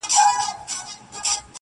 د ژوند په غاړه کي لوېدلی يو مات لاس يمه~